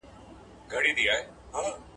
اورېدل د خبرو کولو مهارت تر لیکلو ژر پیاوړی کوي.